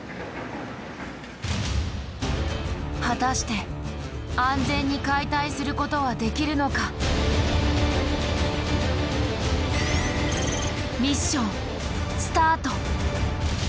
果たして安全に解体することはできるのか⁉ミッションスタート。